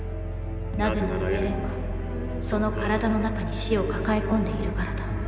なぜならエレンはその体の中に死を抱え込んでいるからだ。